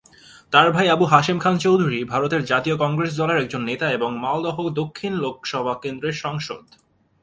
তার ভাই আবু হাসেম খান চৌধুরী ভারতের জাতীয় কংগ্রেস দলের একজন নেতা এবং মালদহ দক্ষিণ লোকসভা কেন্দ্রের সাংসদ।